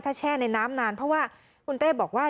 ถ้าแช่ในน้ำนานเพราะว่าคุณเต้บอกว่า